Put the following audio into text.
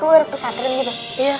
ke warung pesatren gitu